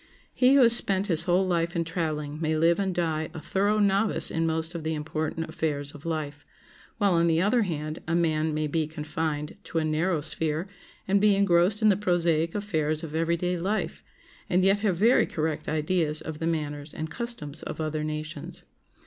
He who has spent his whole life in traveling may live and die a thorough novice in most of the important affairs of life, while, on the other hand, a man may be confined to a narrow sphere and be engrossed in the prosaic affairs of every day life, and yet have very correct ideas of the manners and customs of other nations.